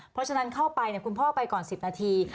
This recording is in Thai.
เพราะฉะนั้นเข้าไปคุณพ่อไปก่อน๑๐นาที